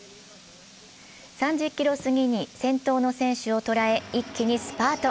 ３０ｋｍ過ぎに先頭の選手を捉え、一気にスパート。